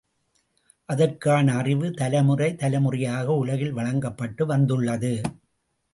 அதற்கான அறிவு, தலைமுறை தலைமுறையாக உலகில் வழங்கப்பட்டு வந்துள்ளது.